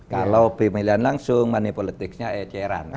kalau pemilihan langsung money politicsnya eceran